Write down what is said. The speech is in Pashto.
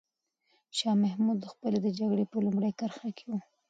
شاه محمود په خپله د جګړې په لومړۍ کرښه کې و.